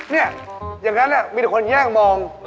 นี่อย่างงั้นน่ะมีแต่คนอยากแย่งมอง